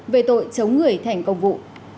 về tội chống người thành công vụ